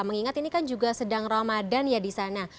mengingat ini kan juga sedang ramadan ya di sana